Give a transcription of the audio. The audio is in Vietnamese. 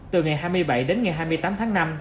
từ ngày hai mươi bảy đến ngày hai mươi tám tháng năm